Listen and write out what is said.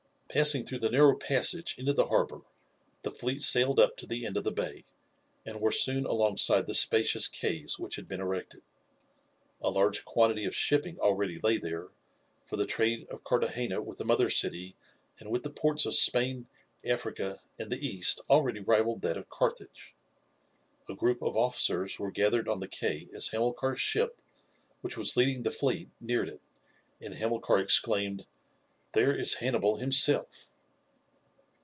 Passing through the narrow passage into the harbour the fleet sailed up to the end of the bay, and were soon alongside the spacious quays which had been erected. A large quantity of shipping already lay there, for the trade of Carthagena with the mother city and with the ports of Spain, Africa, and the East already rivaled that of Carthage. A group of officers were gathered on the quay as Hamilcar's ship, which was leading the fleet, neared it, and Hamilcar exclaimed, "There is Hannibal himself!"